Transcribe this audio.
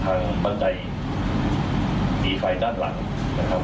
ธนาคารแล้วก็ลงมือนี้ออกทางบันไดบีไฟด้านหลังนะครับ